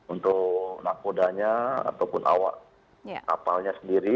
untuk nakodanya ataupun awak kapalnya sendiri